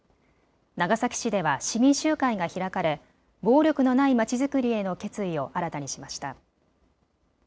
長崎市では市民集会が開かれ暴力のないまちづくりへの決意を新たにしました。